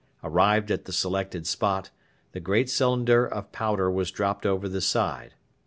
Arrived at the selected spot, the great cylinder of powder was dropped over the side.